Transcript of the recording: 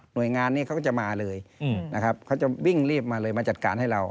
โดยงานนี้เขาก็จะมาเลยนะครับเขาจะวิ่งรีบมาเลยมาจัดการให้เรา